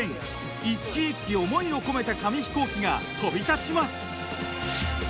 一機一機思いを込めた紙飛行機が飛び立ちます。